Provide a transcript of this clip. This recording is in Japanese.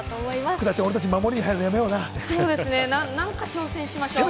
福田ちゃん、俺たち守りに入るの、やめような。